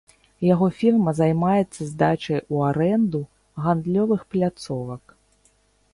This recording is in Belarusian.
Яго фірма займаецца здачай у арэнду гандлёвых пляцовак.